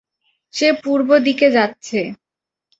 সে পূর্ব দিকে যাচ্ছে।